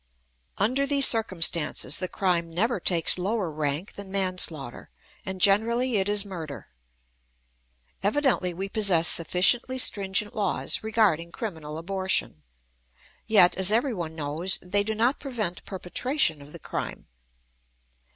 Under these circumstances, the crime never takes lower rank than manslaughter; and generally it is murder. Evidently we possess sufficiently stringent laws regarding criminal abortion; yet, as everyone knows, they do not prevent perpetration of the crime.